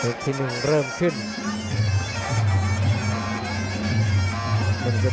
สวัสดิ์นุ่มสตึกชัยโลธสวัสดิ์